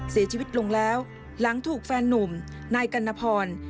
เสียชีวิตลงแล้วหลังถูกแฟนนุ่มนายกัณฑร